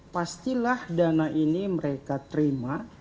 pastilah dana ini mereka terima